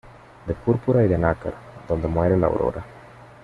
De púrpura y de nácar, donde muere la aurora.